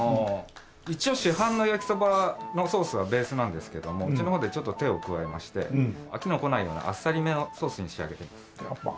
一応市販の焼きそばのソースがベースなんですけれどもうちの方でちょっと手を加えまして飽きの来ないようなあっさり目のソースに仕上げています。